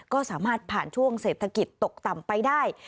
ก็สามารถผ่านช่วงเศรษฐกิจตกต่ำไปได้